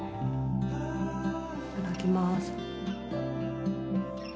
いただきます。